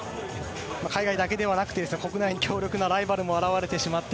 海外だけではなくて国内の強力なライバルも現れてしまって。